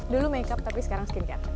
dulu makeup tapi sekarang skincare